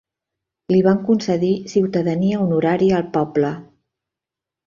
Li van concedir ciutadania honorària al poble.